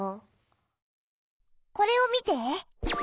これを見て。